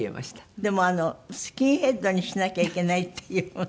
でもスキンヘッドにしなきゃいけないっていうので？